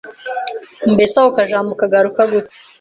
mbese ako kajambo kagaruka gute?